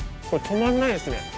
これ止まらないですね。